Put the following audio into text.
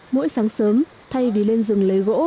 mỗi sáng sớm thay vì lên rừng lấy gỗ và thu hoạch lâm sàn